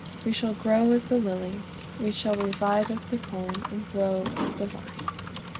We shall "grow as the lily." We shall "revive as the corn, and grow as the vine."